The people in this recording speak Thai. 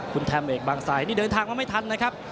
คุณแทมเอกบางไซดนี่เดินทางมาไม่ทันนะครับ